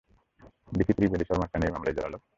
DC Trivedi Sharma কেন এই মামলায় জড়ালো?